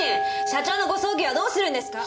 社長のご葬儀はどうするんですか？